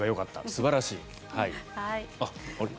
素晴らしい。